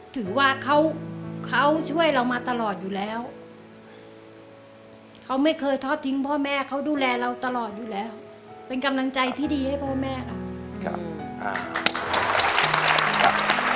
ถือว่าเขาช่วยเรามาตลอดอยู่แล้วเขาไม่เคยทอดทิ้งพ่อแม่เขาดูแลเราตลอดอยู่แล้วเป็นกำลังใจที่ดีให้พ่อแม่เรา